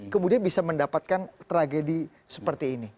kemudian bisa mendapatkan tragedi seperti ini